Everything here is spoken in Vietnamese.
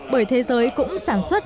bởi thế giới cũng sản xuất